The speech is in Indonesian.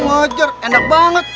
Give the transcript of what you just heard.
ngajar enak banget